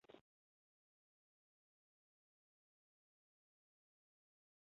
樟木爬赛蛛为蟹蛛科花蛛属的动物。